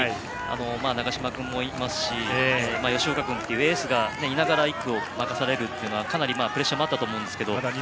長嶋君もいますし吉岡君というエースがいながら１区を任されるというのはかなりプレッシャーはあったと思います。